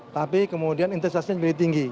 tapi kemudian intensitasnya jadi lebih tinggi